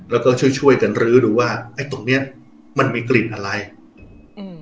แล้วก็ช่วยช่วยกันรื้อดูว่าไอ้ตรงเนี้ยมันมีกลิ่นอะไรอืม